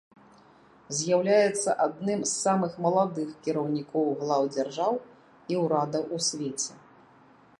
З'яўляецца адным з самых маладых кіраўнікоў глаў дзяржаў і ўрадаў у свеце.